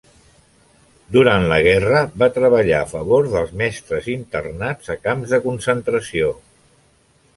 Durant la guerra va treballar a favor dels mestres internats a camps de concentració.